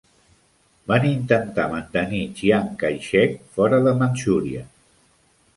Van intentar mantenir Chiang Kai-shek fora de Manxúria.